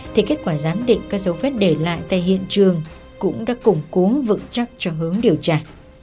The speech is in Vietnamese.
thì kết quả giám định các dấu vết để lại tại hiện trường cũng đã củng cố vững chắc cho hướng điều tra